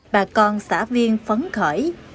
bà con xã viên phấn khởi